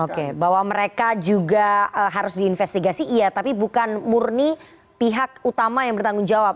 oke bahwa mereka juga harus diinvestigasi iya tapi bukan murni pihak utama yang bertanggung jawab